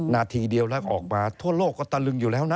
นาทีเดียวแล้วก็ออกมาทั่วโลกก็ตะลึงอยู่แล้วนะ